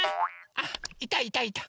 あっいたいたいた。